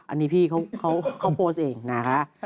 อันนี้พี่เขาโพสต์เองนะคะ